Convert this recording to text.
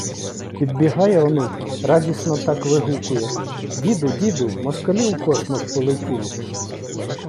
Підбігає онук, радісно так вигукує: “Діду, діду, москалі у космос полетіли!”